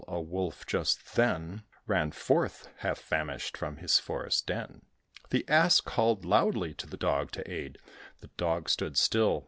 A Wolf, just then, Ran forth, half famished, from his forest den. The Ass called loudly to the Dog to aid; The Dog stood still.